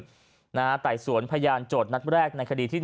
จะไปสวนพยานจดนัดแรกในคดีที่